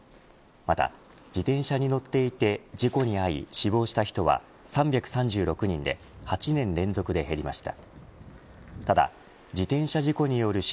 また、自転車に乗っていて事故に遭い死亡した人は３３６人で８年連続で減りました。